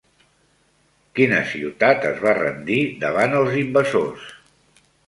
Quina ciutat es va rendir davant els invasors?